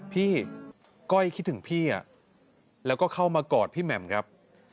ก้อยคิดถึงพี่แล้วก็เข้ามากอดพี่แหม่มครับ